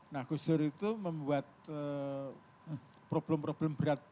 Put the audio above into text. nah gus dur itu membuat problem problem berat